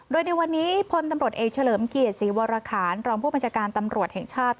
โดยในวันนี้พลตำรวจเอกเฉลิมเกียรติศรีวรคารรองผู้บัญชาการตำรวจแห่งชาติ